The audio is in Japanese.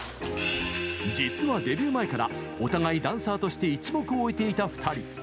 実は、デビュー前からお互いダンサーとして一目を置いていた２人。